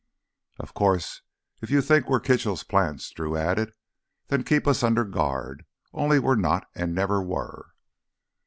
"Of course, if you think we're Kitchell's plants," Drew added, "then keep us under guard. Only we're not and never were."